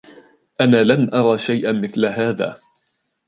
أنا لم أرَ شيئاً مثل هذا.